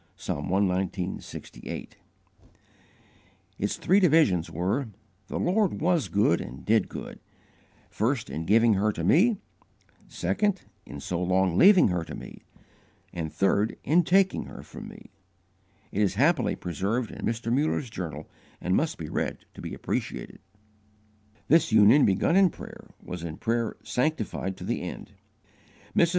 "_ (Psalm cxix. 68.) Its three divisions were: "The Lord was good and did good: first, in giving her to me; second in so long leaving her to me; and third, in taking her from me." It is happily preserved in Mr. Muller's journal, and must be read to be appreciated.* * Narrative, III. 575 594. This union, begun in prayer, was in prayer sanctified to the end. Mrs.